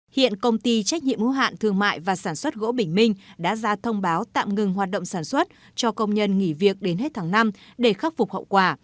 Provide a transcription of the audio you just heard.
hiện công ty trách nhiệm hữu hạn thương mại và sản xuất gỗ bình minh đã ra thông báo tạm ngừng hoạt động sản xuất cho công nhân nghỉ việc đến hết tháng năm để khắc phục hậu quả